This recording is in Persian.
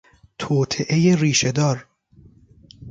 توطئهی ریشهدار